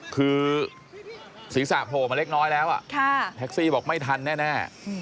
คือศีรษะโผล่มาเล็กน้อยแล้วแท็กซี่บอกไม่ทันแน่